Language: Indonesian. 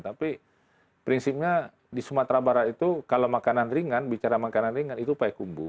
tapi prinsipnya di sumatera barat itu kalau makanan ringan bicara makanan ringan itu payakumbu